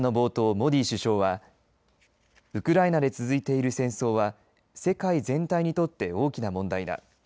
モディ首相はウクライナで続いている戦争は世界全体にとって大きな問題だ。